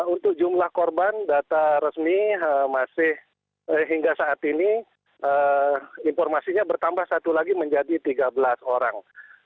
untuk jumlah korban data resmi masih hingga saat ini informasinya bertambah satu lagi menjadi tiga belas orang